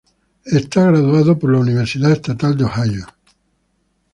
Es graduado de la Universidad Estatal de Ohio.